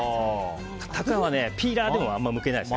たくあんはピーラーでもあんまりむけないです。